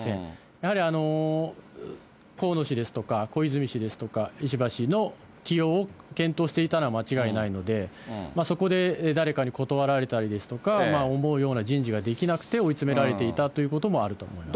やはり河野氏ですとか小泉氏ですとか、石破氏の起用を検討していたのは間違いないので、そこで誰かに断られたりですとか、思うような人事ができなくて追い詰められていたということもあると思います。